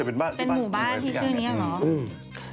เป็นหมู่บ้านที่ชื่อนี้เหรอ